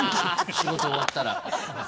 仕事終わったら。